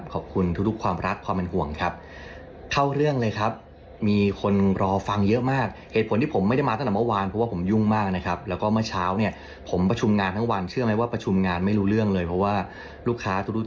ขอซะฟังเสียงฟิล์มสักนิดหนึ่งได้ไหมลูก